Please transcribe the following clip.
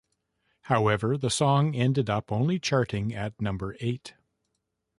However, the song ended up only charting at number eight.